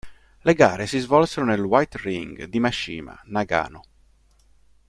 Le gare si svolsero nel "White Ring" di Mashima, Nagano.